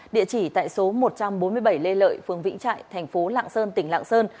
địa chỉ tại số một trăm bốn mươi bảy lê lợi phường vĩnh trại thành phố lạng sơn tỉnh lạng sơn